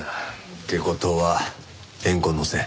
って事は怨恨の線。